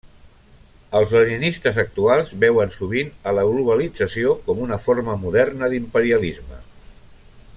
Els leninistes actuals veuen, sovint, a la globalització com una forma moderna d'imperialisme.